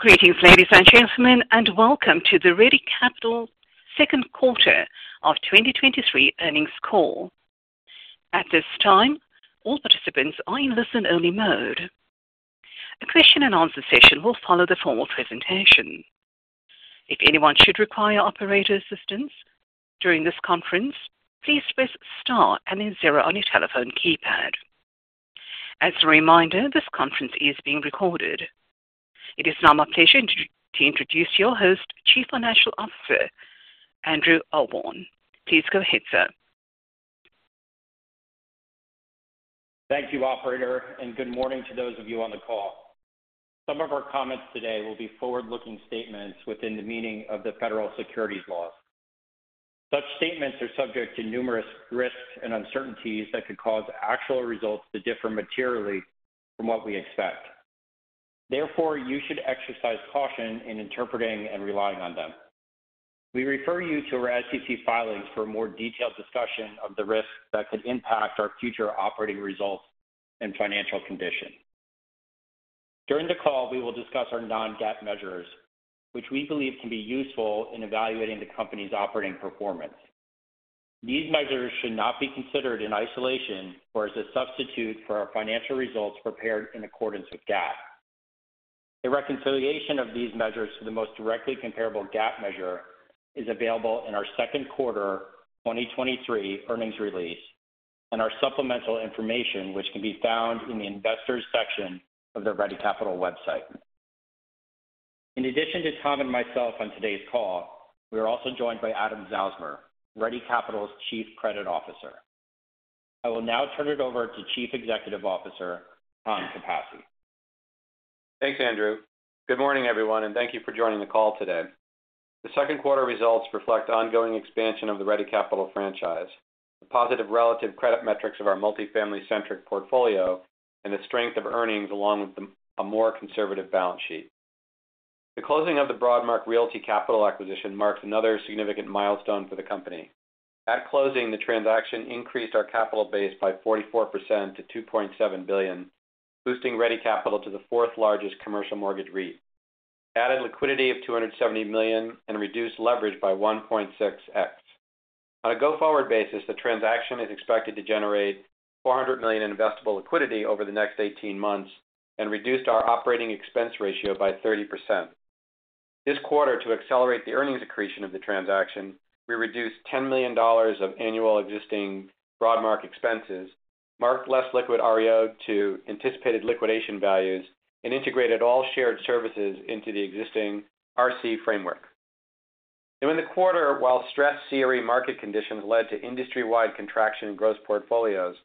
Greetings, ladies and gentlemen, welcome to the Ready Capital second quarter of 2023 earnings call. At this time, all participants are in listen-only mode. A question and answer session will follow the formal presentation. If anyone should require operator assistance during this conference, please press star and then zero on your telephone keypad. As a reminder, this conference is being recorded. It is now my pleasure to introduce your host, Chief Financial Officer, Andrew Ahlborn. Please go ahead, sir. Thank you, operator, and good morning to those of you on the call. Some of our comments today will be forward-looking statements within the meaning of the federal securities laws. Such statements are subject to numerous risks and uncertainties that could cause actual results to differ materially from what we expect. Therefore, you should exercise caution in interpreting and relying on them. We refer you to our SEC filings for a more detailed discussion of the risks that could impact our future operating results and financial condition. During the call, we will discuss our non-GAAP measures, which we believe can be useful in evaluating the company's operating performance. These measures should not be considered in isolation or as a substitute for our financial results prepared in accordance with GAAP. A reconciliation of these measures to the most directly comparable GAAP measure is available in our second quarter 2023 earnings release and our supplemental information, which can be found in the Investors section of the Ready Capital website. In addition to Tom and myself on today's call, we are also joined by Adam Zausmer, Ready Capital's Chief Credit Officer. I will now turn it over to Chief Executive Officer, Tom Capasse. Thanks, Andrew. Good morning, everyone, and thank you for joining the call today. The second quarter results reflect ongoing expansion of the Ready Capital franchise, the positive relative credit metrics of our multifamily-centric portfolio, and the strength of earnings, along with a more conservative balance sheet. The closing of the Broadmark Realty Capital acquisition marks another significant milestone for the company. At closing, the transaction increased our capital base by 44% to $2.7 billion, boosting Ready Capital to the fourth largest commercial mortgage REIT, added liquidity of $270 million, and reduced leverage by 1.6x. On a go-forward basis, the transaction is expected to generate $400 million in investable liquidity over the next 18 months and reduced our operating expense ratio by 30%. This quarter, to accelerate the earnings accretion of the transaction, we reduced $10 million of annual existing Broadmark expenses, marked less liquid REO to anticipated liquidation values, and integrated all shared services into the existing RC framework. During the quarter, while stressed CRE market conditions led to industry-wide contraction in gross portfolios,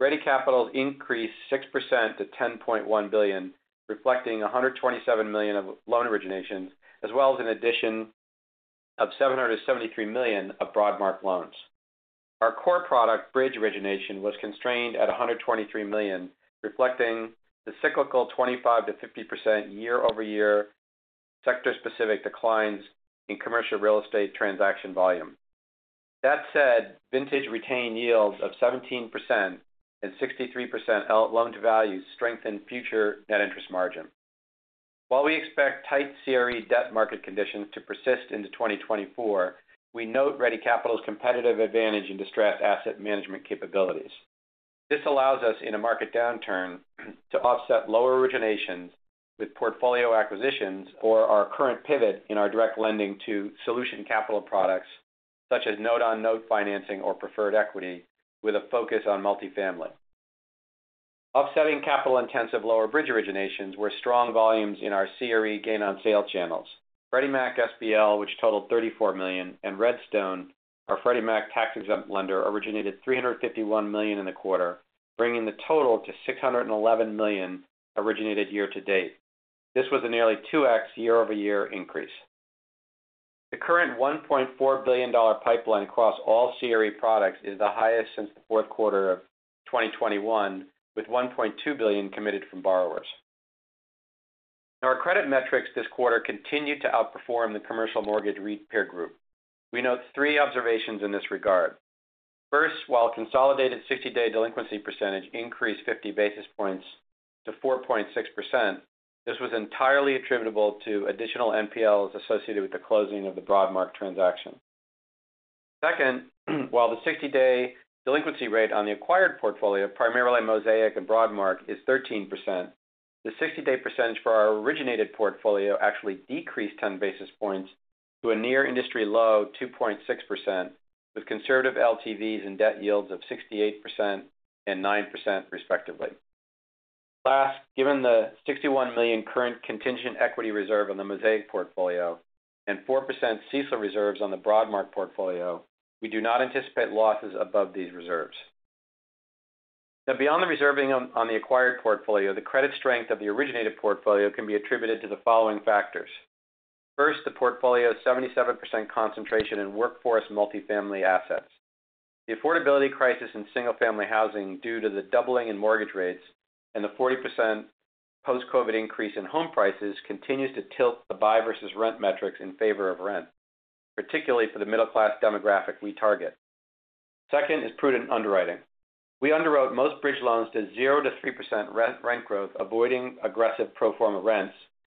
Ready Capital increased 6% to $10.1 billion, reflecting $127 million of loan originations, as well as an addition of $773 million of Broadmark loans. Our core product, bridge origination, was constrained at $123 million, reflecting the cyclical 25%-50% year-over-year sector-specific declines in commercial real estate transaction volume. That said, vintage retained yields of 17% and 63% LTV strengthened future net interest margin. While we expect tight CRE debt market conditions to persist into 2024, we note Ready Capital's competitive advantage in distressed asset management capabilities. This allows us, in a market downturn, to offset lower originations with portfolio acquisitions or our current pivot in our direct lending to solution capital products, such as note-on-note financing or preferred equity, with a focus on multifamily. Offsetting capital-intensive lower bridge originations were strong volumes in our CRE gain on sale channels. Freddie Mac SBL, which totaled $34 million, and Redstone, our Freddie Mac tax-exempt lender, originated $351 million in the quarter, bringing the total to $611 million originated year to date. This was a nearly 2x year-over-year increase. The current $1.4 billion pipeline across all CRE products is the highest since the fourth quarter of 2021, with $1.2 billion committed from borrowers. Our credit metrics this quarter continued to outperform the commercial mortgage REIT peer group. We note three observations in this regard. First, while consolidated 60-day delinquency percentage increased 50 basis points to 4.6%, this was entirely attributable to additional NPLs associated with the closing of the Broadmark transaction. Second, while the 60-day delinquency rate on the acquired portfolio, primarily Mosaic and Broadmark, is 13%, the 60-day percentage for our originated portfolio actually decreased 10 basis points to a near industry low, 2.6%, with conservative LTVs and debt yields of 68% and 9%, respectively. Last, given the $61 million current contingent equity reserve on the Mosaic portfolio and 4% CECL reserves on the Broadmark portfolio, we do not anticipate losses above these reserves. Beyond the reserving on the acquired portfolio, the credit strength of the originated portfolio can be attributed to the following factors: First, the portfolio's 77% concentration in workforce multifamily assets. The affordability crisis in single-family housing, due to the doubling in mortgage rates and the 40% post-COVID increase in home prices, continues to tilt the buy versus rent metrics in favor of rent, particularly for the middle-class demographic we target. Second is prudent underwriting. We underwrote most bridge loans to 0%-3% re-rent growth, avoiding aggressive pro forma rents,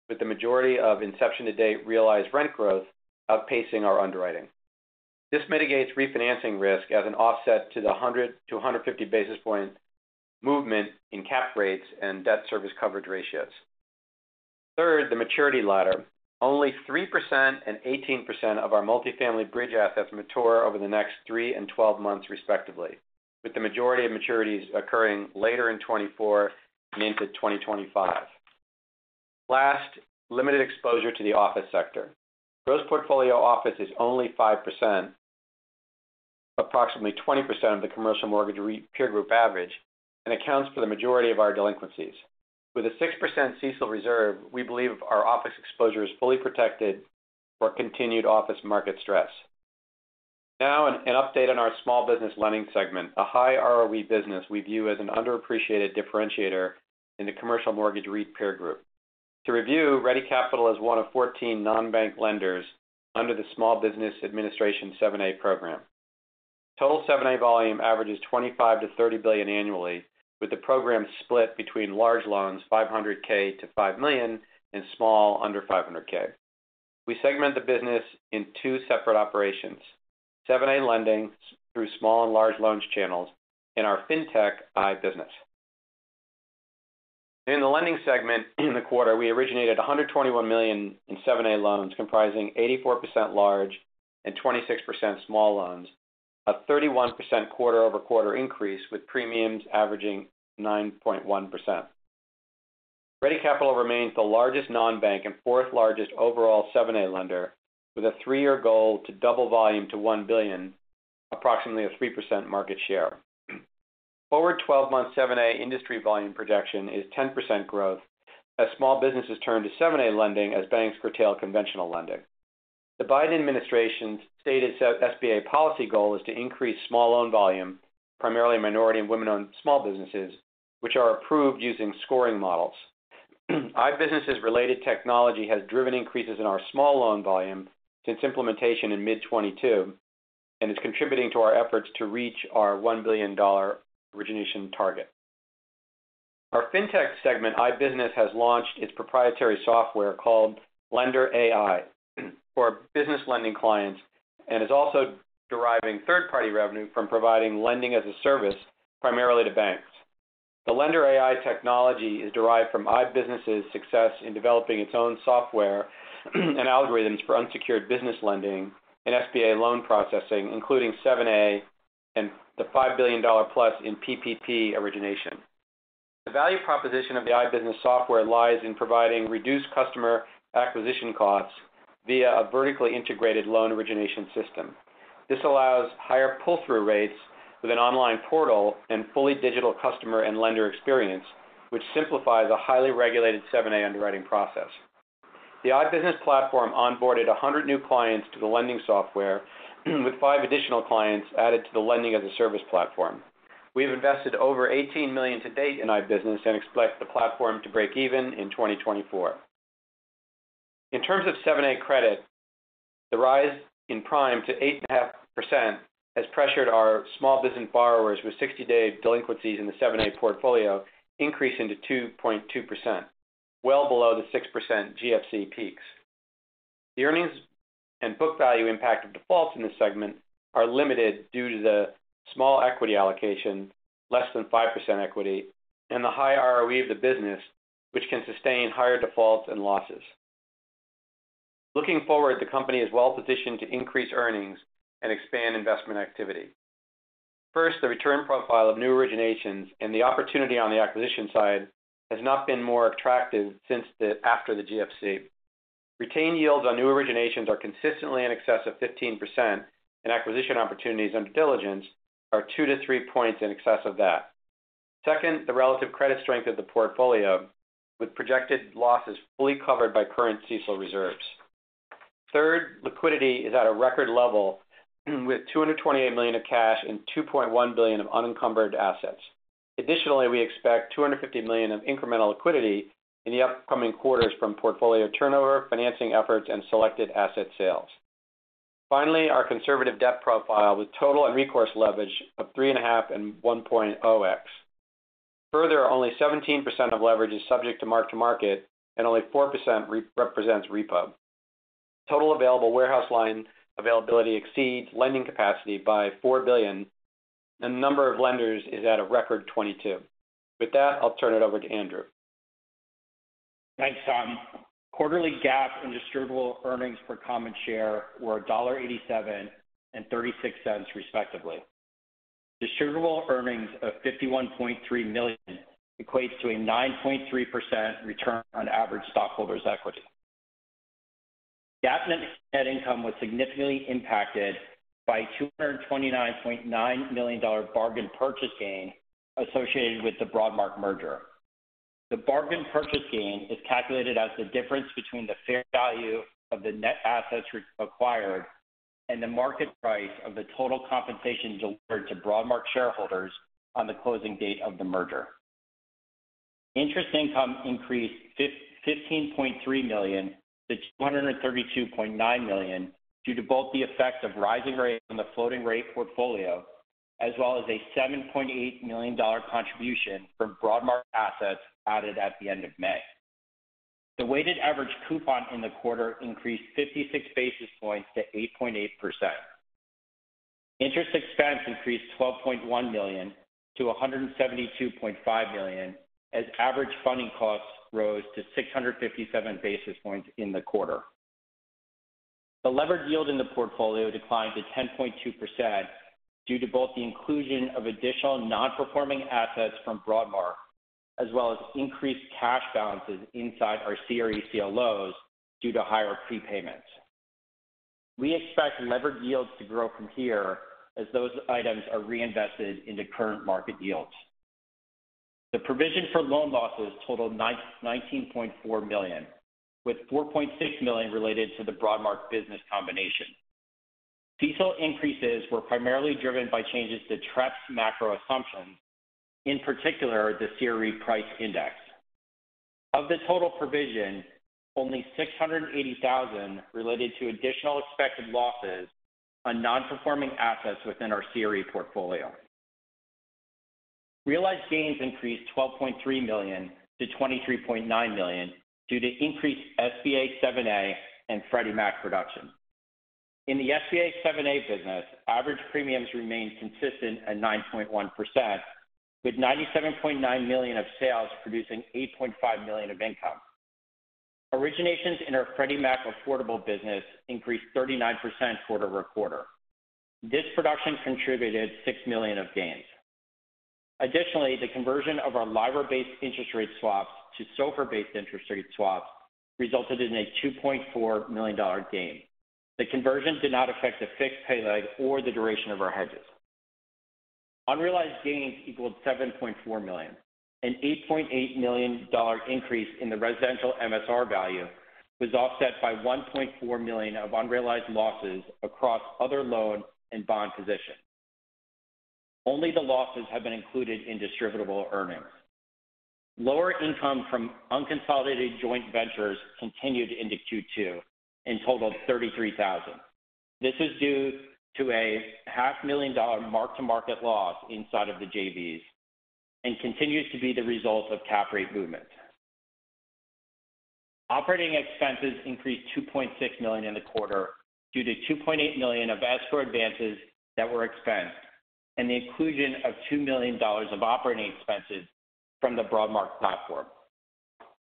with the majority of inception to date realized rent growth outpacing our underwriting. This mitigates refinancing risk as an offset to the 100 basis points-150 basis point movement in cap rates and debt service coverage ratios. Third, the maturity ladder. Only 3% and 18% of our multifamily bridge assets mature over the next three and 12 months, respectively, with the majority of maturities occurring later in 2024 and into 2025. Last, limited exposure to the office sector. Gross portfolio office is only 5%, approximately 20% of the commercial mortgage REIT peer group average, and accounts for the majority of our delinquencies. With a 6% CECL reserve, we believe our office exposure is fully protected for continued office market stress. Now, an update on our small business lending segment, a high ROE business we view as an underappreciated differentiator in the commercial mortgage REIT peer group. To review, Ready Capital is one of 14 non-bank lenders under the US Small Business Administration 7(a) program. Total 7(a) volume averages $25 billion-$30 billion annually, with the program split between large loans, $500K-$5 million, and small under $500K. We segment the business in two separate operations: 7(a) lending through small and large loans channels and our Fintech iBusiness. In the lending segment in the quarter, we originated $121 million in 7(a) loans, comprising 84% large and 26% small loans, a 31% quarter-over-quarter increase, with premiums averaging 9.1%. Ready Capital remains the largest non-bank and fourth-largest overall 7(a) lender, with a three-year goal to double volume to $1 billion, approximately a 3% market share. Forward 12 months 7(a) industry volume projection is 10% growth as small businesses turn to 7(a) lending as banks curtail conventional lending. The Biden administration's stated SBA policy goal is to increase small loan volume, primarily minority and women-owned small businesses, which are approved using scoring models. iBusiness's related technology has driven increases in our small loan volume since implementation in mid-2022, and is contributing to our efforts to reach our $1 billion origination target. Our Fintech segment, iBusiness, has launched its proprietary software called LenderAI for business lending clients, and is also deriving third-party revenue from providing lending as a service, primarily to banks. The LenderAI technology is derived from iBusiness's success in developing its own software and algorithms for unsecured business lending and SBA loan processing, including 7(a) and the $5 billion+ in PPP origination. The value proposition of the iBusiness software lies in providing reduced customer acquisition costs via a vertically integrated loan origination system. This allows higher pull-through rates with an online portal and fully digital customer and lender experience, which simplifies a highly regulated 7(a) underwriting process. The iBusiness platform onboarded 100 new clients to the lending software, with five additional clients added to the lending as a service platform. We have invested over $18 million to date in iBusiness and expect the platform to break even in 2024. In terms of 7(a) credit, the rise in prime to 8.5% has pressured our small business borrowers, with 60-day delinquencies in the 7(a) portfolio, increasing to 2.2%, well below the 6% GFC peaks. The earnings and book value impact of defaults in this segment are limited due to the small equity allocation, less than 5% equity, and the high ROE of the business, which can sustain higher defaults and losses. Looking forward, the company is well-positioned to increase earnings and expand investment activity. First, the return profile of new originations and the opportunity on the acquisition side has not been more attractive since after the GFC. Retained yields on new originations are consistently in excess of 15%, and acquisition opportunities under diligence are 2 points-3 points in excess of that. Second, the relative credit strength of the portfolio, with projected losses fully covered by current CECL reserves. Third, liquidity is at a record level, with $228 million of cash and $2.1 billion of unencumbered assets. Additionally, we expect $250 million of incremental liquidity in the upcoming quarters from portfolio turnover, financing efforts, and selected asset sales. Our conservative debt profile with total and recourse leverage of 3.5x and 1.0x. Only 17% of leverage is subject to mark-to-market and only 4% represents repo. Total available warehouse line availability exceeds lending capacity by $4 billion, and the number of lenders is at a record 22. With that, I'll turn it over to Andrew. Thanks, Tom. Quarterly GAAP and distributable earnings per common share were $1.87 and $0.36, respectively. Distributable earnings of $51.3 million equates to a 9.3% return on average stockholders' equity. GAAP net income was significantly impacted by a $229.9 million bargain purchase gain associated with the Broadmark merger. The bargain purchase gain is calculated as the difference between the fair value of the net assets acquired and the market price of the total compensation delivered to Broadmark shareholders on the closing date of the merger. Interest income increased $15.3 million to $232.9 million, due to both the effects of rising rates on the floating rate portfolio, as well as a $7.8 million contribution from Broadmark assets added at the end of May. The weighted average coupon in the quarter increased 56 basis points to 8.8%. Interest expense increased $12.1 million to $172.5 million, as average funding costs rose to 657 basis points in the quarter. The levered yield in the portfolio declined to 10.2% due to both the inclusion of additional non-performing assets from Broadmark, as well as increased cash balances inside our CRE CLOs due to higher prepayments. We expect levered yields to grow from here as those items are reinvested into current market yields. The provision for loan losses totaled $19.4 million, with $4.6 million related to the Broadmark business combination. CECL increases were primarily driven by changes to TREF's macro assumptions, in particular, the CRE price index. Of the total provision, only $680,000 related to additional expected losses on non-performing assets within our CRE portfolio. Realized gains increased $12.3 million to $23.9 million due to increased SBA 7(a) and Freddie Mac production. In the SBA 7(a) business, average premiums remained consistent at 9.1%, with $97.9 million of sales producing $8.5 million of income. Originations in our Freddie Mac affordable business increased 39% quarter-over-quarter. This production contributed $6 million of gains. Additionally, the conversion of our LIBOR-based interest rate swaps to SOFR-based interest rate swaps resulted in a $2.4 million gain. The conversion did not affect the fixed pay leg or the duration of our hedges. Unrealized gains equaled $7.4 million. An $8.8 million increase in the residential MSR value was offset by $1.4 million of unrealized losses across other loan and bond positions. Only the losses have been included in distributable earnings. Lower income from unconsolidated joint ventures continued into Q2 and totaled $33,000. This is due to a $500,000 mark-to-market loss inside of the JVs and continues to be the result of cap rate movement. Operating expenses increased $2.6 million in the quarter due to $2.8 million of escrow advances that were expensed and the inclusion of $2 million of operating expenses from the Broadmark platform.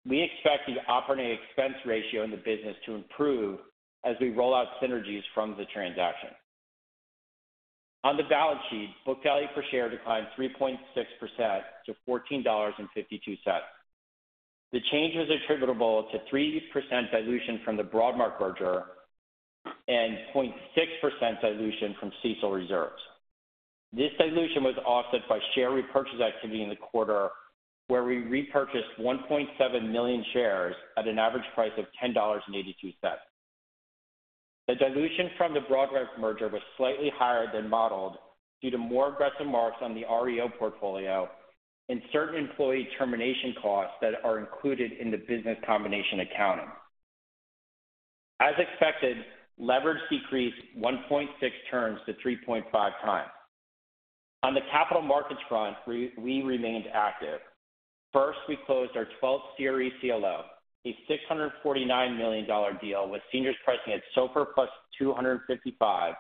We expect the operating expense ratio in the business to improve as we roll out synergies from the transaction. On the balance sheet, book value per share declined 3.6% to $14.52. The change was attributable to 3% dilution from the Broadmark merger and 0.6% dilution from CECL reserves. This dilution was offset by share repurchase activity in the quarter, where we repurchased 1.7 million shares at an average price of $10.82. The dilution from the Broadmark merger was slightly higher than modeled due to more aggressive marks on the REO portfolio and certain employee termination costs that are included in the business combination accounting. As expected, leverage decreased 1.6x to 3.5x. On the capital markets front, we remained active. First, we closed our 12th CRE CLO, a $649 million deal with seniors pricing at SOFR plus 255.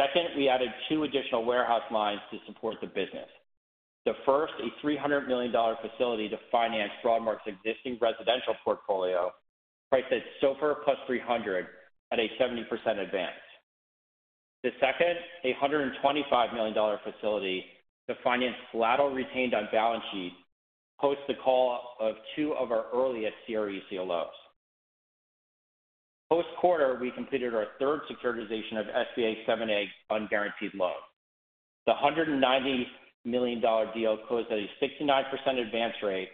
Second, we added two additional warehouse lines to support the business. The first, a $300 million facility to finance Broadmark's existing residential portfolio, priced at SOFR +300 at a 70% advance. The second, a $125 million facility to finance lateral retained on-balance sheet posts the call of two of our earliest CRE CLOs. Post-quarter, we completed our third securitization of SBA 7(a) unguaranteed loans. The $190 million deal closed at a 69% advance rate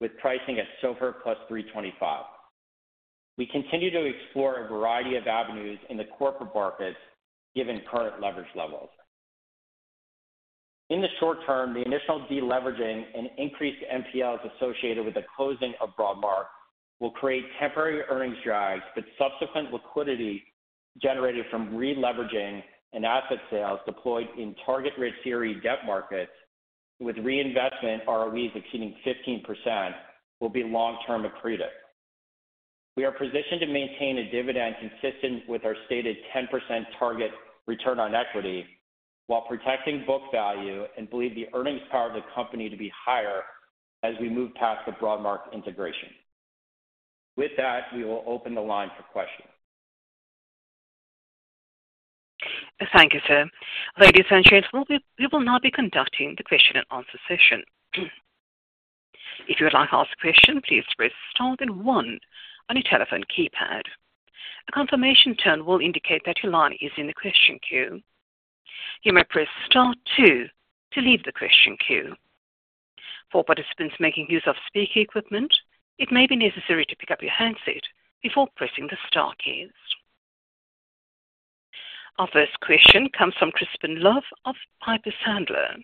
with pricing at SOFR +325. We continue to explore a variety of avenues in the corporate markets, given current leverage levels. In the short term, the initial deleveraging and increased MPLs associated with the closing of Broadmark will create temporary earnings drags, but subsequent liquidity generated from releveraging and asset sales deployed in target rate theory debt markets with reinvestment ROEs exceeding 15% will be long-term accretive. We are positioned to maintain a dividend consistent with our stated 10% target return on equity, while protecting book value and believe the earnings power of the company to be higher as we move past the Broadmark integration. With that, we will open the line for questions. Thank you, sir. Ladies and gents, we will, we will now be conducting the question and answer session. If you would like to ask a question, please press star then one on your telephone keypad. A confirmation tone will indicate that your line is in the question queue. You may press star two to leave the question queue. For participants making use of speaker equipment, it may be necessary to pick up your handset before pressing the star keys. Our first question comes from Crispin Love of Piper Sandler.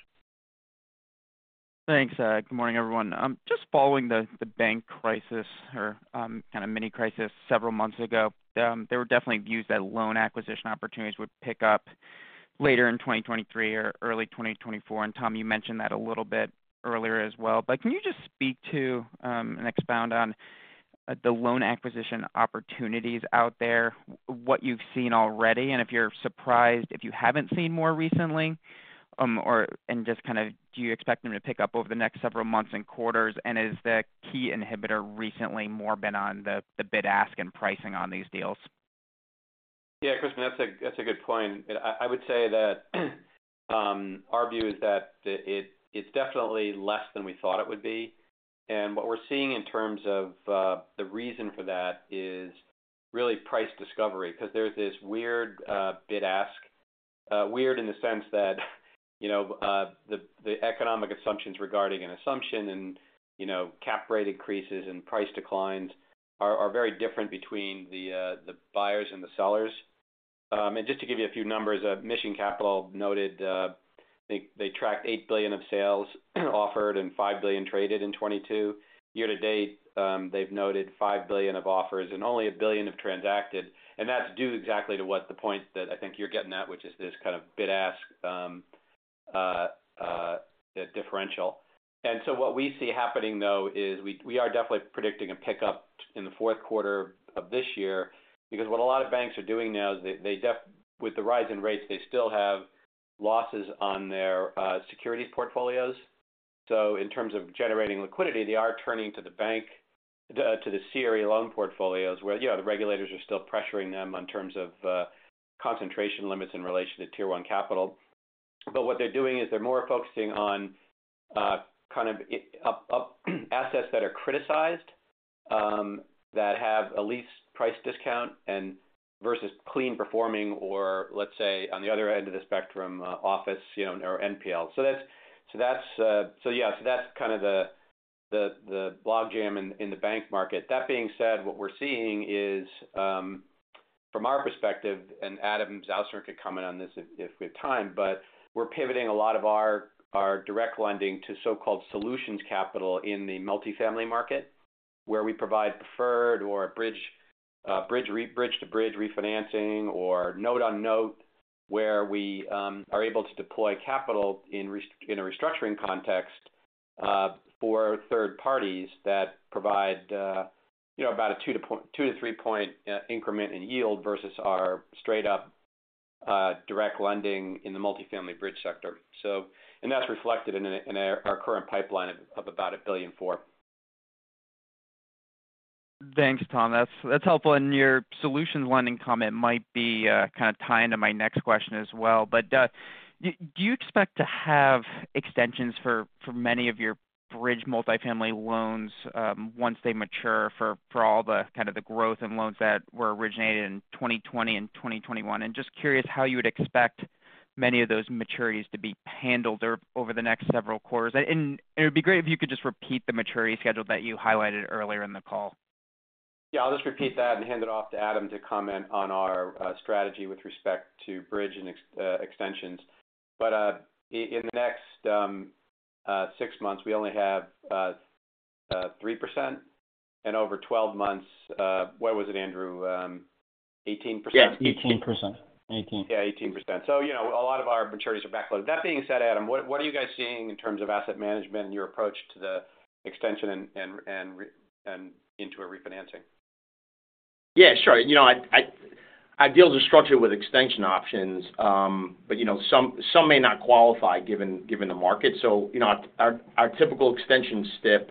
Thanks. Good morning, everyone. Just following the, the bank crisis or, kind of mini-crisis several months ago. There were definitely views that loan acquisition opportunities would pick up later in 2023 or early 2024. Tom, you mentioned that a little bit earlier as well. Can you just speak to, and expound on, the loan acquisition opportunities out there, what you've seen already, and if you're surprised, if you haven't seen more recently, or do you expect them to pick up over the next several months and quarters? Is the key inhibitor recently more been on the, the bid-ask and pricing on these deals? Yeah, Crispin, that's a, that's a good point. I, I would say that our view is that it's definitely less than we thought it would be. What we're seeing in terms of the reason for that is really price discovery, because there's this weird bid-ask weird in the sense that, you know, the economic assumptions regarding an assumption and, you know, cap rate increases and price declines are very different between the buyers and the sellers. Just to give you a few numbers, Mission Capital noted, they tracked $8 billion of sales offered and $5 billion traded in 2022. Year to date, they've noted $5 billion of offers and only $1 billion of transacted, that's due exactly to what the point that I think you're getting at, which is this kind of bid-ask differential. What we see happening, though, is we, we are definitely predicting a pickup in the fourth quarter of this year, because what a lot of banks are doing now is they, with the rise in rates, they still have losses on their securities portfolios. In terms of generating liquidity, they are turning to the bank, to the CRE loan portfolios, where, you know, the regulators are still pressuring them in terms of concentration limits in relation to Tier 1 capital. What they're doing is they're more focusing on, kind of, assets that are criticized, that have a lease price discount and versus clean performing, or let's say, on the other end of the spectrum, office, you know, or NPL. That's kind of the, the, the logjam in the bank market. That being said, what we're seeing is from our perspective, and Adam Zausmer could comment on this if we have time, but we're pivoting a lot of our direct lending to so-called solutions capital in the multifamily market, where we provide preferred or bridge, bridge-to-bridge refinancing or note-on-note, where we are able to deploy capital in a restructuring context for third parties that provide, you know, about a 2 point to 3 point increment in yield versus our straight-up direct lending in the multifamily bridge sector. So, and that's reflected in our current pipeline of about $1.4 billion. Thanks, Tom. That's, that's helpful. Your solutions lending comment might be kind of tie into my next question as well. Do, do you expect to have extensions for, for many of your bridge multifamily loans, once they mature for, for all the kind of the growth in loans that were originated in 2020 and 2021? Just curious how you would expect many of those maturities to be handled over, over the next several quarters? It would be great if you could just repeat the maturity schedule that you highlighted earlier in the call? Yeah, I'll just repeat that and hand it off to Adam to comment on our strategy with respect to bridge and ex- extensions. In the next six months, we only have 3%, and over 12 months, what was it, Andrew? 18%? Yeah, 18%. 18. Yeah, 18%. You know, a lot of our maturities are backloaded. That being said, Adam, what, what are you guys seeing in terms of asset management and your approach to the extension and, and into a refinancing? Yeah, sure. You know, I, I, I deal with the structure with extension options, but, you know, some, some may not qualify, given, given the market. You know, our, our typical extension step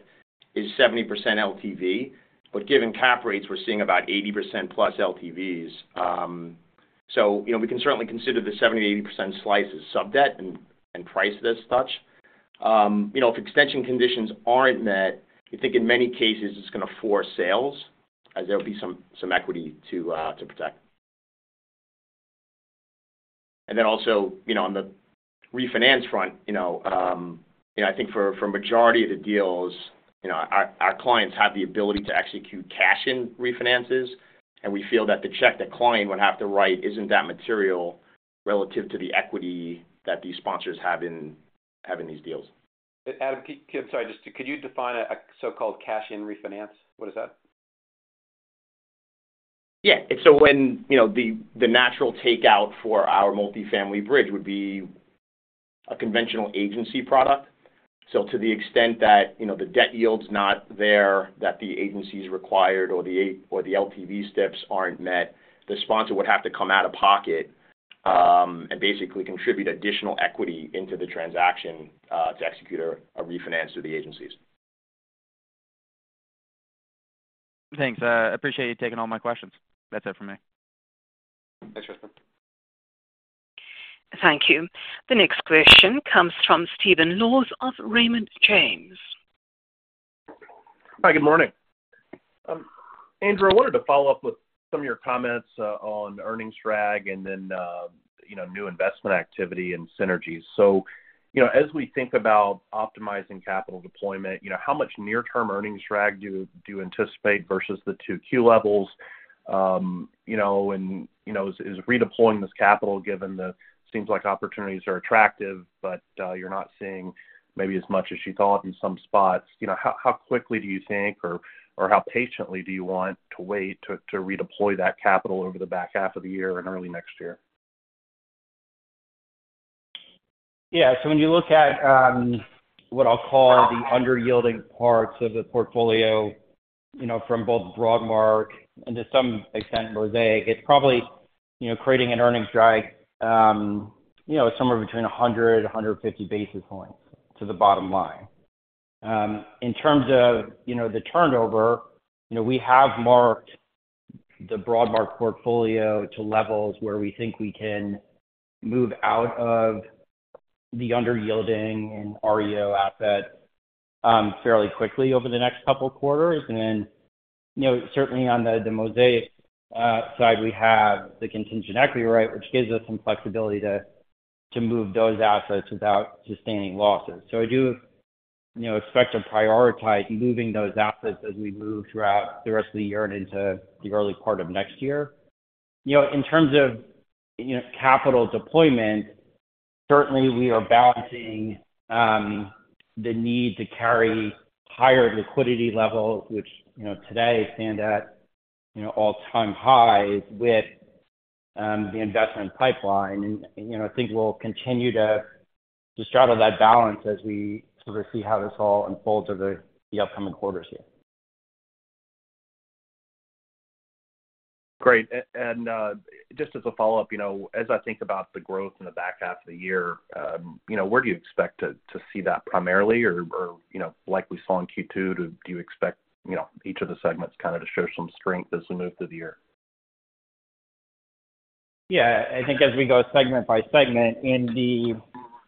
is 70% LTV, but given cap rates, we're seeing about 80%+ LTVs. You know, we can certainly consider the 70%-80% slice as sub debt and, and price as such. You know, if extension conditions aren't met, I think in many cases it's going to force sales as there will be some, some equity to protect. Also, you know, on the refinance front, you know, you know, I think for, for a majority of the deals, you know, our, our clients have the ability to execute cash-in refinances, and we feel that the check the client would have to write isn't that material relative to the equity that these sponsors have in, have in these deals. Adam, sorry, just could you define a so-called cash-in refinance? What is that? Yeah. So when, you know, the, the natural takeout for our multifamily bridge would be a conventional agency product. To the extent that, you know, the debt yield's not there, that the LTV steps aren't met, the sponsor would have to come out of pocket, and basically contribute additional equity into the transaction, to execute a, a refinance through the agencies. Thanks. I appreciate you taking all my questions. That's it for me. Thanks, Crispin. Thank you. The next question comes from Stephen Laws of Raymond James. Hi, good morning. Andrew, I wanted to follow up with some of your comments, on earnings drag and then, you know, new investment activity and synergies. You know, as we think about optimizing capital deployment, you know, how much near-term earnings drag do you, do you anticipate versus the Q2 levels? You know, is, is redeploying this capital, given the-- seems like opportunities are attractive, but you're not seeing maybe as much as you thought in some spots. You know, how, how quickly do you think or, or how patiently do you want to wait to, to redeploy that capital over the back half of the year and early next year? Yeah. When you look at what I'll call the under yielding parts of the portfolio, you know, from both Broadmark and to some extent, Mosaic, it's probably, you know, creating an earnings drag, you know, somewhere between 100 basis points-150 basis points to the bottom line. In terms of, you know, the turnover, you know, we have marked the Broadmark portfolio to levels where we think we can move out of the under yielding and REO assets, fairly quickly over the next couple of quarters. Then, you know, certainly on the, the Mosaic side, we have the Contingent Equity Right, which gives us some flexibility to, to move those assets without sustaining losses. I do, you know, expect to prioritize moving those assets as we move throughout the rest of the year and into the early part of next year. You know, in terms of, you know, capital deployment, certainly we are balancing, the need to carry higher liquidity levels, which, you know, today stand at, you know, all-time highs with, the investment pipeline. You know, I think we'll continue to, to straddle that balance as we sort of see how this all unfolds over the upcoming quarters here. Great. Just as a follow-up, you know, as I think about the growth in the back half of the year, you know, where do you expect to see that primarily, or, you know, like we saw in Q2, do you expect, you know, each of the segments kind of to show some strength as we move through the year? Yeah. I think as we go segment by segment in the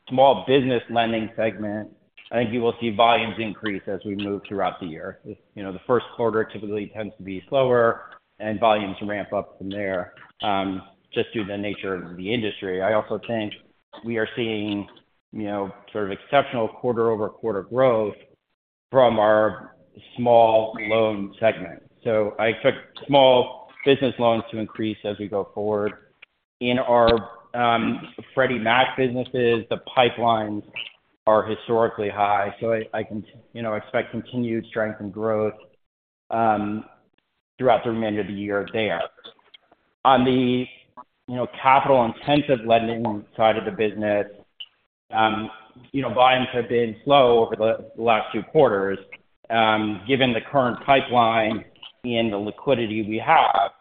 small business lending segment, I think you will see volumes increase as we move throughout the year. You know, the first quarter typically tends to be slower and volumes ramp up from there, just due to the nature of the industry. I also think we are seeing, you know, sort of exceptional quarter-over-quarter growth from our small loan segment. I expect small business loans to increase as we go forward. In our Freddie Mac businesses, the pipelines are historically high, so I, I can, you know, expect continued strength and growth throughout the remainder of the year there. On the, you know, capital-intensive lending side of the business, you know, volumes have been slow over the last few quarters. Given the current pipeline and the liquidity we have,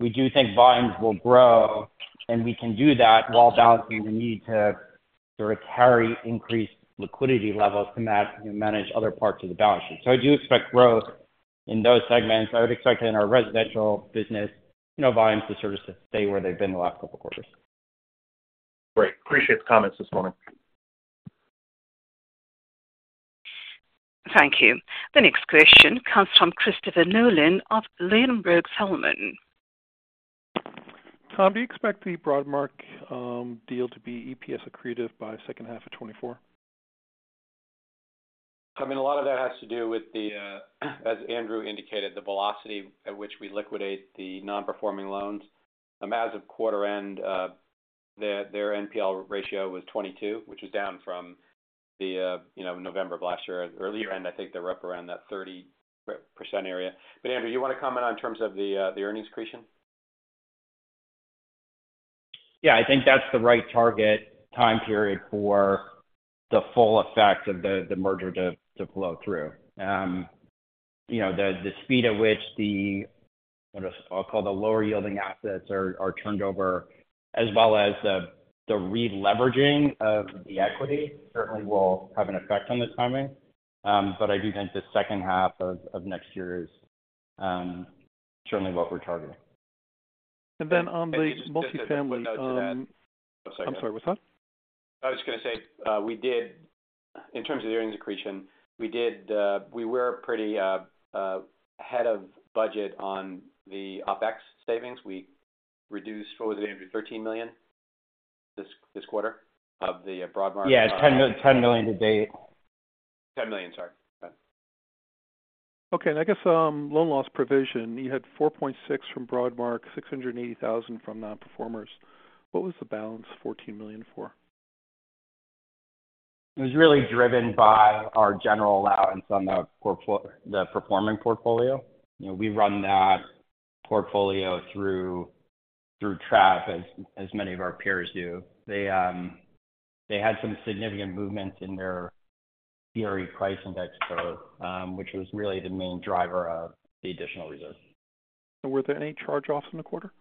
we do think volumes will grow, and we can do that while balancing the need to sort of carry increased liquidity levels to manage other parts of the balance sheet. I do expect growth in those segments. I would expect in our residential business, you know, volumes to sort of stay where they've been the last two quarters. Great. Appreciate the comments this morning. Thank you. The next question comes from Christopher Nolan of Ladenburg Thalmann. Tom, do you expect the Broadmark deal to be EPS accretive by second half of 2024? I mean, a lot of that has to do with the, as Andrew indicated, the velocity at which we liquidate the non-performing loans. As of quarter end, their, their NPL ratio was 22, which is down from the, you know, November of last year. At earlier end, I think they're up around that 30% area. Andrew, you want to comment on terms of the earnings accretion? Yeah, I think that's the right target time period for the full effect of the, the merger to, to flow through. You know, the, the speed at which the, what I'll call the lower-yielding assets are, are turned over, as well as the, the releveraging of the equity, certainly will have an effect on the timing. I do think the second half of, of next year is certainly what we're targeting. Then on the multifamily- Just a footnote to that. I'm sorry, what's that? I was going to say, in terms of the earnings accretion, we were pretty, ahead of budget on the OpEx savings. We reduced, what was it, Andrew, $13 million this, this quarter of the Broadmark? Yeah, it's $10 million to date. $10 million, sorry. Okay. I guess, loan loss provision, you had $4.6 million from Broadmark, $680,000 from nonperformers. What was the balance $14 million for? It was really driven by our general allowance on the performing portfolio. You know, we run that portfolio through, through TREF, as, as many of our peers do. They had some significant movements in their CRE pricing index for, which was really the main driver of the additional reserves. Were there any charge-offs in the quarter?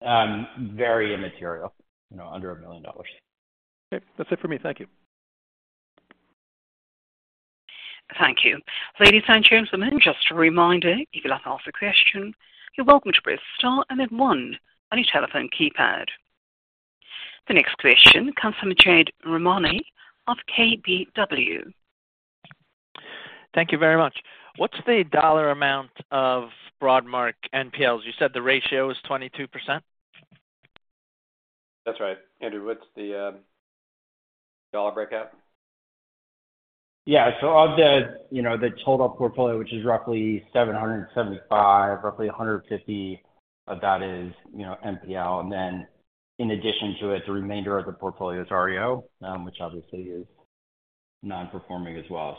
Very immaterial, you know, under $1 million. Okay. That's it for me. Thank you. Thank you. Ladies and gentlemen, just a reminder, if you'd like to ask a question, you're welcome to press star and then one on your telephone keypad. The next question comes from Jade Rahmani of KBW. Thank you very much. What's the dollar amount of Broadmark NPLs? You said the ratio is 22%. That's right. Andrew, what's the dollar breakout? Yeah. Of the, you know, the total portfolio, which is roughly 775, roughly 150 of that is, you know, NPL. Then in addition to it, the remainder of the portfolio is REO, which obviously is non-performing as well.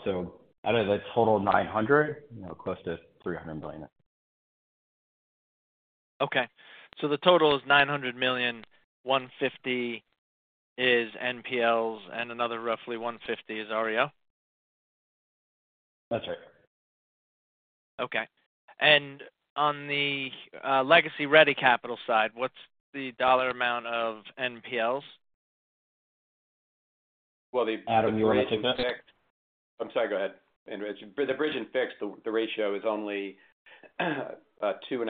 Out of the total 900, you know, close to $300 million. Okay. The total is $900 million, $150 is NPLs, and another roughly $150 is REO? That's right. Okay. On the legacy Ready Capital side, what's the dollar amount of NPLs? Well. Adam, you want to take that? I'm sorry, go ahead, Andrew. The bridge and fix, the, the ratio is only, 2.5%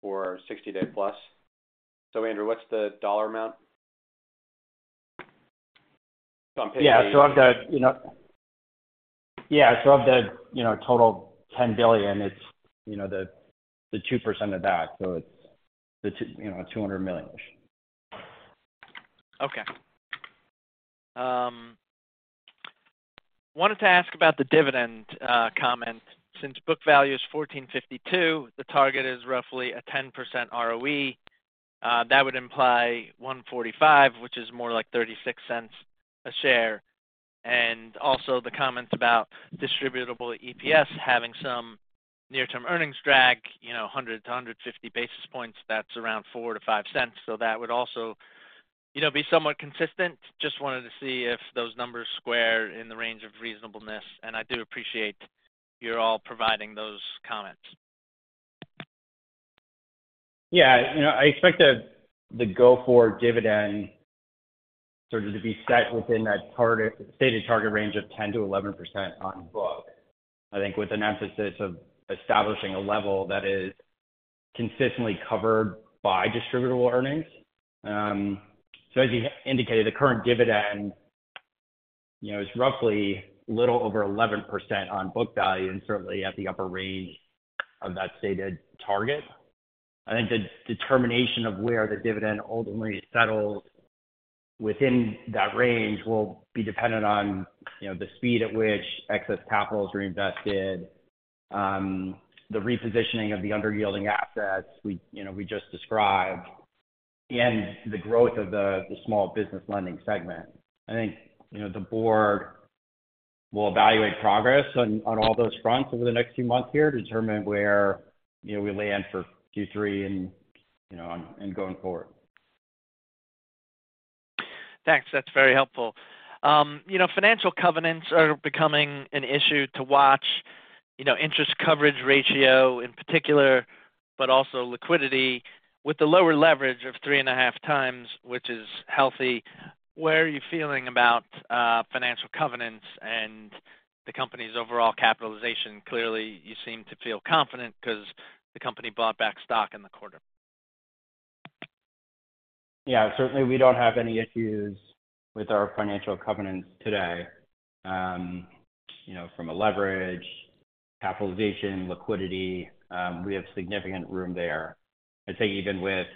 for 60-day plus. Andrew, what's the dollar amount? Yeah, of the, you know, total $10 billion, it's, you know, the, the 2% of that, so it's, you know, $200 million-ish. Wanted to ask about the dividend comment. Since book value is $14.52, the target is roughly a 10% ROE. That would imply $1.45, which is more like $0.36 a share. Also the comments about distributable EPS having some near-term earnings drag, you know, 100 basis points-150 basis points, that's around $0.04-$0.05. That would also, you know, be somewhat consistent. Just wanted to see if those numbers square in the range of reasonableness. I do appreciate you're all providing those comments. Yeah. You know, I expect the, the go-forward dividend sort of to be set within that stated target range of 10%-11% on book. I think with an emphasis of establishing a level that is consistently covered by distributable earnings. As you indicated, the current dividend, you know, is roughly little over 11% on book value, and certainly at the upper range of that stated target. I think the determination of where the dividend ultimately settles within that range will be dependent on, you know, the speed at which excess capital is reinvested, the repositioning of the underyielding assets we, you know, we just described, and the growth of the, the small business lending segment. I think, you know, the board will evaluate progress on, on all those fronts over the next few months here to determine where, you know, we land for Q3 and, you know, and, and going forward. Thanks. That's very helpful. you know, financial covenants are becoming an issue to watch, you know, interest coverage ratio in particular, but also liquidity with the lower leverage of 3.5x, which is healthy. Where are you feeling about financial covenants and the company's overall capitalization? Clearly, you seem to feel confident because the company bought back stock in the quarter. Yeah. Certainly, we don't have any issues with our financial covenants today. You know, from a leverage, capitalization, liquidity, we have significant room there. I'd say even with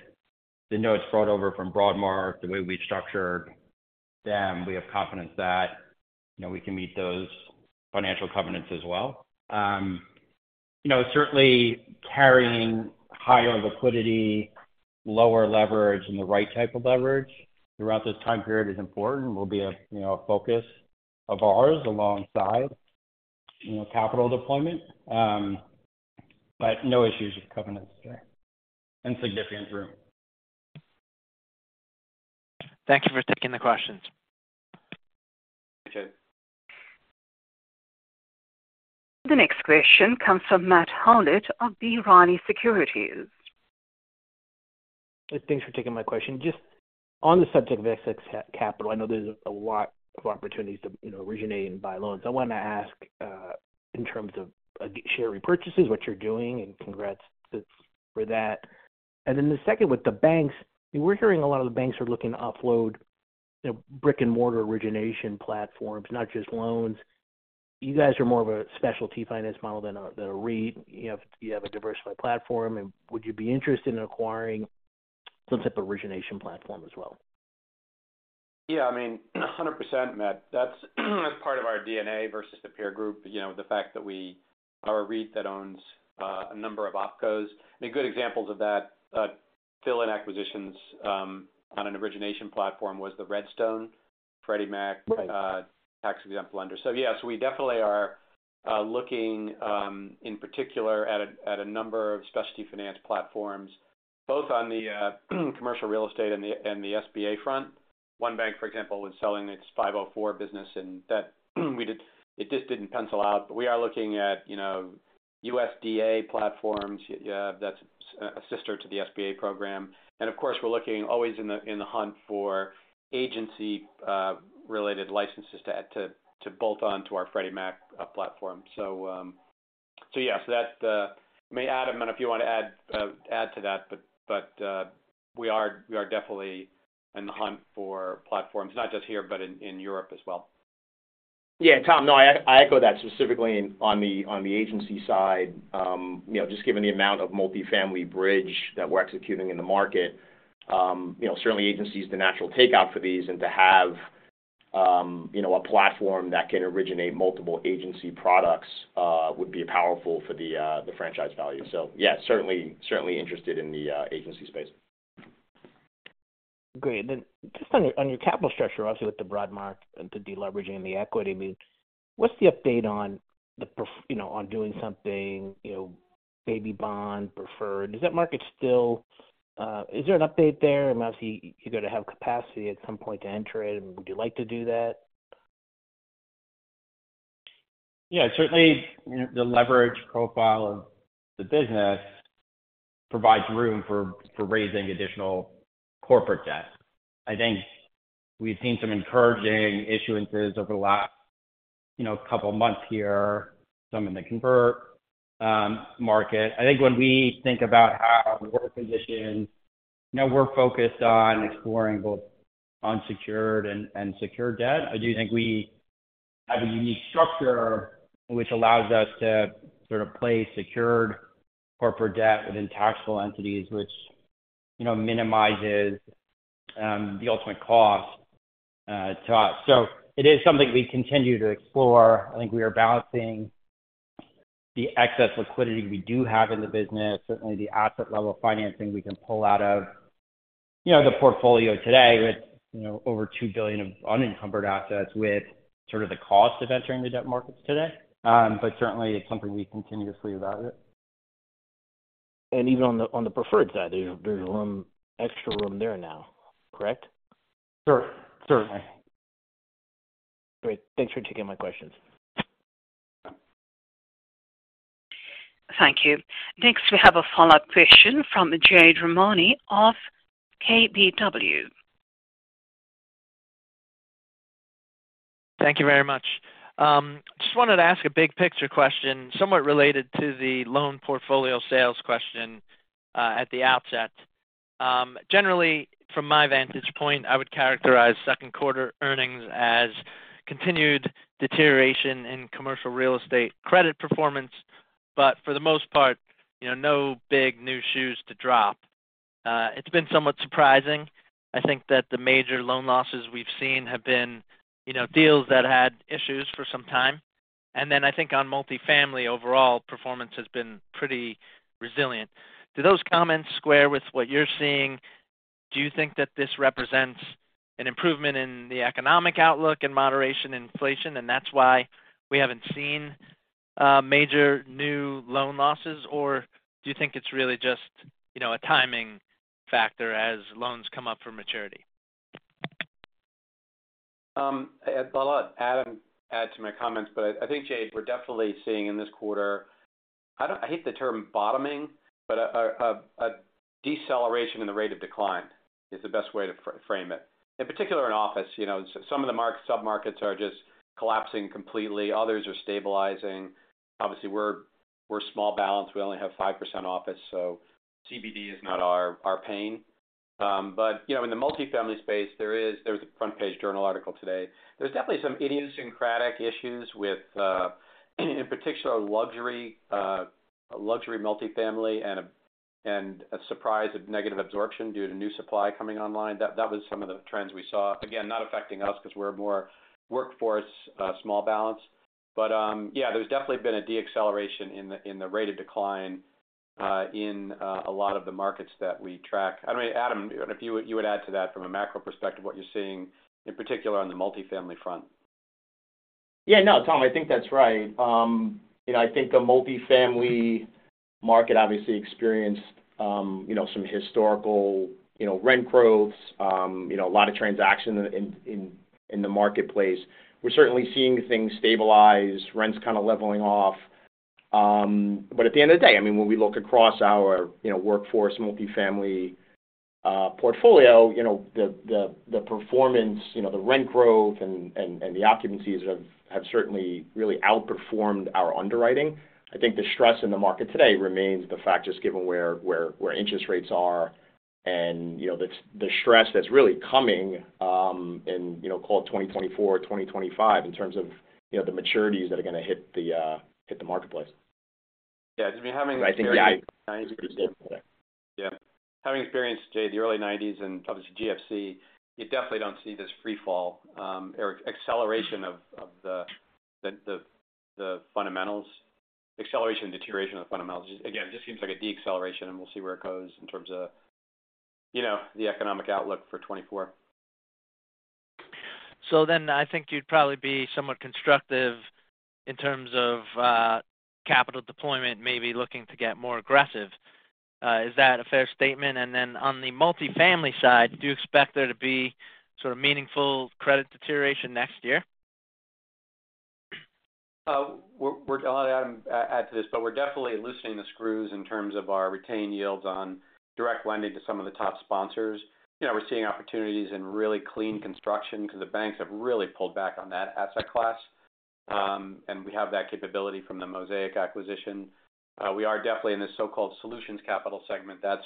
the notes brought over from Broadmark, the way we structured them, we have confidence that, you know, we can meet those financial covenants as well. You know, certainly carrying higher liquidity, lower leverage, and the right type of leverage throughout this time period is important, will be, you know, a focus of ours alongside, you know, capital deployment. No issues with covenants there and significant room. Thank you for taking the questions. Thank you. The next question comes from Matt Howlett of B. Riley Securities. Thanks for taking my question. Just on the subject of excess capital, I know there's a lot of opportunities to, you know, originate and buy loans. I want to ask, in terms of share repurchases, what you're doing, and congrats for that. Then the second, with the banks, we're hearing a lot of the banks are looking to offload the brick-and-mortar origination platforms, not just loans. You guys are more of a specialty finance model than a REIT. You have, you have a diversified platform. Would you be interested in acquiring some type of origination platform as well? Yeah, I mean, 100%, Matt. That's, that's part of our DNA versus the peer group. You know, the fact that we are a REIT that owns a number of OpCos. I mean, good examples of that, fill-in acquisitions on an origination platform was the Redstone, Freddie Mac- Right. Tax-exempt lender. Yes, we definitely are looking, in particular, at a number of specialty finance platforms, both on the commercial real estate and the SBA front. One bank, for example, was selling its 504 business, and that we did—it just didn't pencil out. But we are looking at, you know, USDA platforms, that's a sister to the SBA program. And of course, we're looking always in the hunt for agency related licenses to bolt on to our Freddie Mac platform. So yeah, so that's, Adam, I don't know if you want to add to that, but we are definitely in the hunt for platforms, not just here, but in Europe as well. Yeah, Tom, no, I, I echo that specifically on the agency side. You know, just given the amount of multifamily bridge that we're executing in the market, you know, certainly agency is the natural takeout for these. To have, you know, a platform that can originate multiple agency products would be powerful for the franchise value. Yeah, certainly, certainly interested in the agency space. Great. Just on your, on your capital structure, obviously, with the broad market and the deleveraging and the equity, I mean, what's the update on the, you know, on doing something, you know, maybe bond, preferred? Is that market still? Is there an update there? I mean, obviously, you're going to have capacity at some point to enter it. Would you like to do that? Yeah, certainly, you know, the leverage profile of the business provides room for, for raising additional corporate debt. I think we've seen some encouraging issuances over the last, you know, couple of months here, some in the convert market. I think when we think about how we're positioned, you know, we're focused on exploring both unsecured and, and secured debt. I do think we have a unique structure which allows us to sort of place secured corporate debt within taxable entities, which, you know, minimizes the ultimate cost to us. It is something we continue to explore. I think we are balancing the excess liquidity we do have in the business, certainly the asset level financing we can pull out of, you know, the portfolio today with, you know, over $2 billion of unencumbered assets, with sort of the cost of entering the debt markets today. certainly it's something we continuously about it. Even on the, on the preferred side, there's, there's room, extra room there now, correct? Sure. Certainly. Great. Thanks for taking my questions. Thank you. Next, we have a follow-up question from Jade Rahmani of KBW. Thank you very much. Just wanted to ask a big picture question, somewhat related to the loan portfolio sales question at the outset. Generally, from my vantage point, I would characterize second quarter earnings as continued deterioration in commercial real estate credit performance, but for the most part, you know, no big new shoes to drop. It's been somewhat surprising. I think that the major loan losses we've seen have been, you know, deals that had issues for some time. I think on multifamily, overall, performance has been pretty resilient. Do those comments square with what you're seeing? Do you think that this represents an improvement in the economic outlook and moderation in inflation, and that's why we haven't seen major new loan losses? Or do you think it's really just, you know, a timing factor as loans come up for maturity? I'll let Adam add to my comments, but I think, Jade, we're definitely seeing in this quarter, I hate the term bottoming, but a deceleration in the rate of decline is the best way to frame it. In particular, in office, you know, some of the submarkets are just collapsing completely, others are stabilizing. Obviously, we're, we're small balance. We only have 5% office, so CBD is not our, our pain. You know, in the multifamily space, there was a front page journal article today. There's definitely some idiosyncratic issues with, in particular, luxury, luxury multifamily and a surprise of negative absorption due to new supply coming online. That was some of the trends we saw. Again, not affecting us because we're more workforce, small balance. Yeah, there's definitely been a deceleration in the rate of decline in a lot of the markets that we track. I mean, Adam, if you, you would add to that from a macro perspective, what you're seeing, in particular on the multifamily front? Yeah. No, Tom, I think that's right. You know, I think the multifamily market obviously experienced, you know, some historical, you know, rent growth, you know, a lot of transaction in, in, in the marketplace. We're certainly seeing things stabilize, rents kind of leveling off. At the end of the day, I mean, when we look across our, you know, workforce, multifamily portfolio, you know, the, the, the performance, you know, the rent growth and, and, and the occupancies have, have certainly really outperformed our underwriting. I think the stress in the market today remains the fact, just given where, where, where interest rates are and, you know, the, the stress that's really coming in, you know, call it 2024 or 2025, in terms of, you know, the maturities that are going to hit the hit the marketplace. Yeah, I mean. I think the idea is pretty simple there. Yeah. Having experienced, Jade, the early nineties and obviously GFC, you definitely don't see this free fall, or acceleration and deterioration of fundamentals. Again, it just seems like a deceleration, and we'll see where it goes in terms of, you know, the economic outlook for 2024. I think you'd probably be somewhat constructive in terms of capital deployment, maybe looking to get more aggressive. Is that a fair statement? On the multifamily side, do you expect there to be sort of meaningful credit deterioration next year? We're-- I'll let Adam add to this, but we're definitely loosening the screws in terms of our retained yields on direct lending to some of the top sponsors. You know, we're seeing opportunities in really clean construction because the banks have really pulled back on that asset class. And we have that capability from the Mosaic acquisition. We are definitely in the so-called solutions capital segment. That's,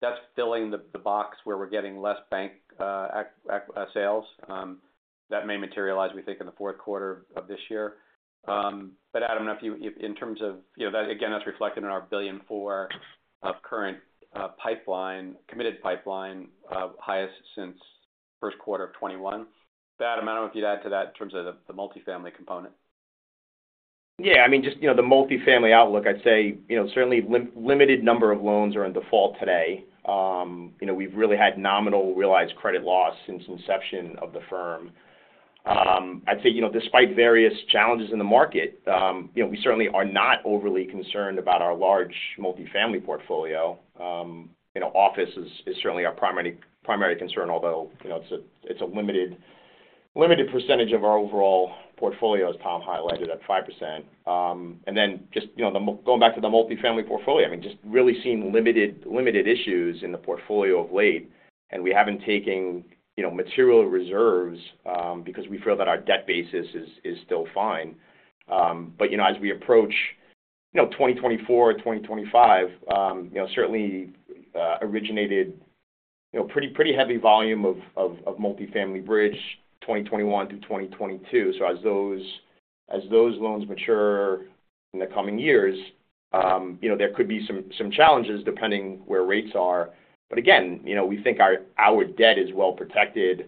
that's filling the box where we're getting less bank sales. That may materialize, we think, in the fourth quarter of this year. But Adam, if you, if in terms of, you know, that again, that's reflected in our $1.4 billion of current pipeline, committed pipeline, highest since first quarter of 2021. Adam, I don't know if you'd add to that in terms of the multifamily component. Yeah, I mean, just, you know, the multifamily outlook, I'd say, you know, certainly limited number of loans are in default today. You know, we've really had nominal realized credit loss since inception of the firm. I'd say, you know, despite various challenges in the market, you know, we certainly are not overly concerned about our large multifamily portfolio. You know, office is, is certainly our primary, primary concern, although, you know, it's a, it's a limited, limited percentage of our overall portfolio, as Tom highlighted, at 5%. Then just, you know, going back to the multifamily portfolio, I mean, just really seeing limited, limited issues in the portfolio of late, and we haven't taken, you know, material reserves, because we feel that our debt basis is, is still fine. You know, as we approach, you know, 2024 or 2025, you know, certainly, originated, you know, pretty, pretty heavy volume of, of, of multifamily bridge, 2021 through 2022. As those, as those loans mature in the coming years, you know, there could be some, some challenges depending where rates are. Again, you know, we think our, our debt is well protected,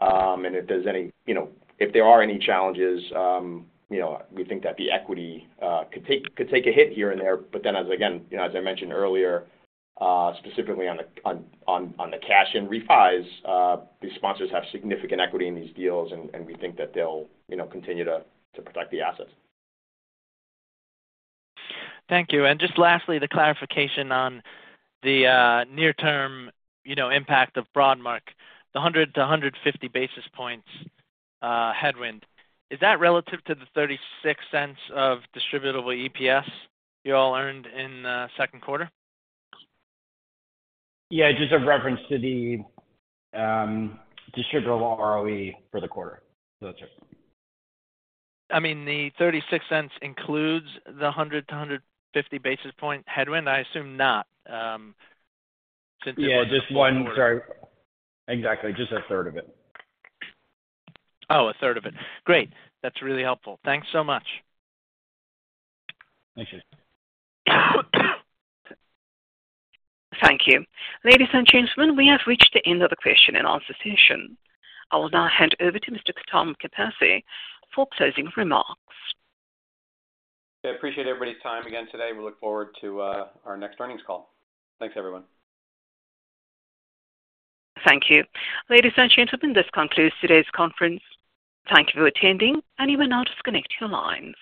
and if there are any challenges, you know, we think that the equity could take, could take a hit here and there. Then as again, you know, as I mentioned earlier, specifically on the cash-in refis, the sponsors have significant equity in these deals, and, and we think that they'll, you know, continue to, to protect the assets. Thank you. Just lastly, the clarification on the near-term, you know, impact of Broadmark, the 100 basis points-150 basis points headwind. Is that relative to the $0.36 of distributable EPS you all earned in second quarter? Yeah, just a reference to the distributable ROE for the quarter. That's it. I mean, the $0.36 includes the 100 basis points-150 basis points headwind? I assume not, Yeah, just one. Sorry. Exactly. Just a third of it. Oh, a third of it. Great. That's really helpful. Thanks so much. Thank you. Thank you. Ladies and gentlemen, we have reached the end of the question and answer session. I will now hand over to Mr. Tom Capasse for closing remarks. I appreciate everybody's time again today. We look forward to our next earnings call. Thanks, everyone. Thank you. Ladies and gentlemen, this concludes today's conference. Thank you for attending, and you may now disconnect your lines.